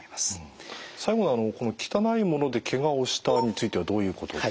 最後の「汚いものでけがをした」についてはどういうことですか？